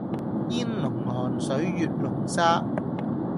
煙籠寒水月籠沙